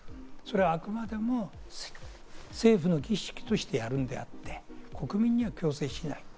あくまでも、政府の儀式としてやるのであって、国民には強制しない。